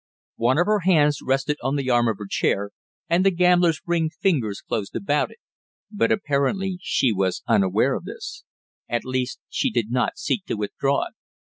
One of her hands rested on the arm of her chair, and the gambler's ringed fingers closed about it; but apparently she was unaware of this; at least she did not seek to withdraw it.